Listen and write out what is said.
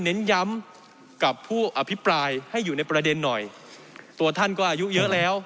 เน้นย้ำกับผู้อภิปรายให้อยู่ในประเด็นหน่อยตัวท่านก็อายุเยอะแล้ว